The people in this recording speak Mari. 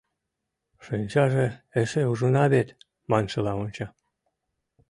Шинчаже «Эше ужына вет» маншыла онча.